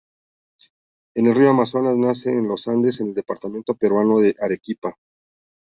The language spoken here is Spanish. El río Amazonas nace en los Andes, en el departamento peruano de Arequipa.